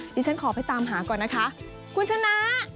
ดิฉันขอไปตามหาก่อนนะคะคุณชนะ